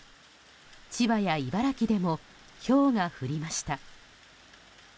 千葉や茨城でもひょうが降りました。